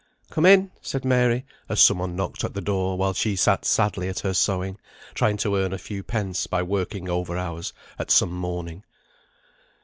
"Come in," said Mary, as some one knocked at the door, while she sat sadly at her sewing, trying to earn a few pence by working over hours at some mourning.